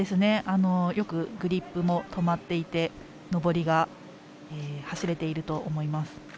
よくグリップも止まっていて上りが走れていると思います。